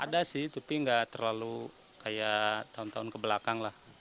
ada sih tapi nggak terlalu kayak tahun tahun kebelakang lah